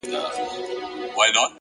هوښیار فکر له بیړې ځان ساتي’